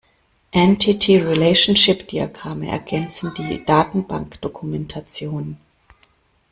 Entity-Relationship-Diagramme ergänzen die Datenbankdokumentation.